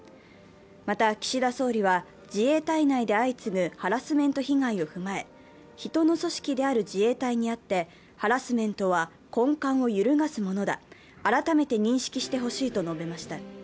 また岸田総理は自衛隊内で相次ぐハラスメント被害を踏まえ人の組織である自衛隊にあって、ハラスメントは根幹を揺るがすものだ、改めて認識してほしいと述べました。